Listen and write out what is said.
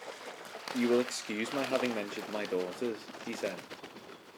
"You will excuse my having mentioned my daughters," he said.